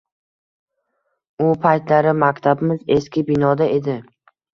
U paytlari maktabimiz eski binoda edi.